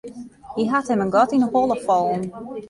Hy hat him in gat yn 'e holle fallen.